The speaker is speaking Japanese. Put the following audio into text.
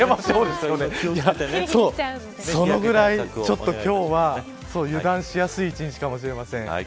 そのぐらい今日は油断しやすい一日かもしれません。